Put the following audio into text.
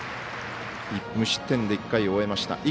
無失点で１回を終えました。